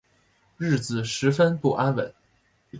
日子十分不安稳